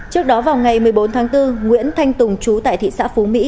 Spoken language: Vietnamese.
trước đó vào ngày một mươi bốn tháng bốn nguyễn thanh tùng chú tại thị xã phú mỹ